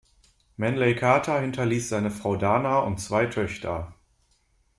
Manley Carter hinterließ seine Frau Dana und zwei Töchter.